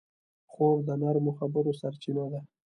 خور د نرمو خبرو سرچینه ده.